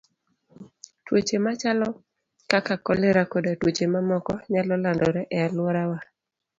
Tuoche machalo kaka kolera koda tuoche mamoko, nyalo landore e alworawa.